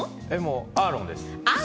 アーロンです。